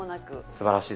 すばらしいです。